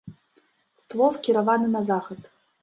Ствол скіраваны на захад.